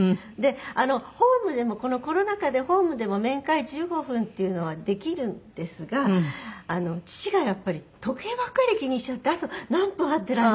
でホームでもこのコロナ禍でホームでも面会１５分っていうのはできるんですが父がやっぱり時計ばっかり気にしちゃってあと何分あって。